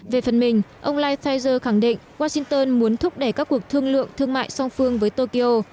về phần mình ông life pfizer khẳng định washington muốn thúc đẩy các cuộc thương lượng thương mại song phương với tokyo